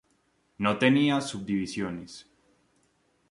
No tenía subdivisiones.